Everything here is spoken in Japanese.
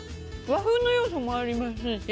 和風の要素もありますし。